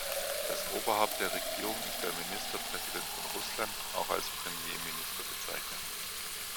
Das Oberhaupt der Regierung ist der Ministerpräsident von Russland, auch als Premierminister bezeichnet.